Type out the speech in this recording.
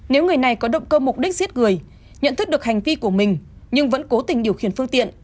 nếu người này có động cơ mục đích giết người nhận thức được hành vi của mình nhưng vẫn cố tình điều khiển phương tiện